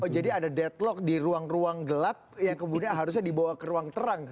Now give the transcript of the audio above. jadi ada deadlock di ruang ruang gelap yang kemudian harusnya dibawa ke ruang terang